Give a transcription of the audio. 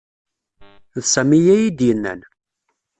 D Sami ay iyi-d-yennan.